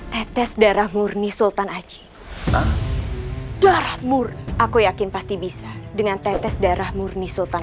tetes darah murni sultan aci darah mur aku yakin pasti bisa dengan tetes darah murni sultan